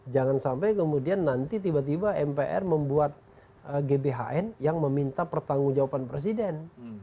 jangan sampai kemudian nanti tiba tiba mpr membuat gbhn yang meminta pertanggung jawaban presiden